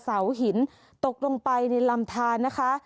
เสาหินตกลงไปในลำทานนะคะ